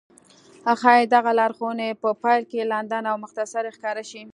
ښايي دغه لارښوونې په پيل کې لنډې او مختصرې ښکاره شي.